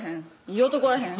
「いい男おらへん？」